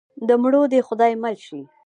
د مړو دې خدای مل شي.